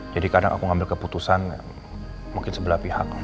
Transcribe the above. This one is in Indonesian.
jadi kadang aku ngambil keputusan mungkin sebelah pihak